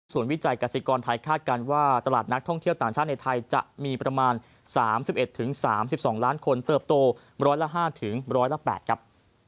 ส่วนวิจัยกษิกรไทยคาดการณ์ว่าตลาดนักท่องเที่ยวต่างชาติในไทยจะมีประมาณ๓๑๓๒ล้านคนเติบโตร้อยละ๕๑๐๘ครับ